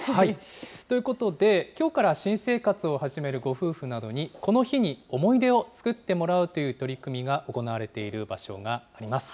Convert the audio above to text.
ということで、きょうから新生活を始めるご夫婦などに、この日に思い出を作ってもらうという取り組みが行われている場所があります。